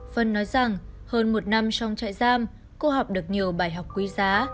phân nói rằng hơn một năm trong trại giam cô học được nhiều bài học quý giá